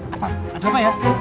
apa ada apa ya